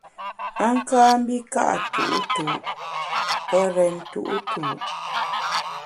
A ka mbi ka’ tu’tu’ pe rèn tu’tu’.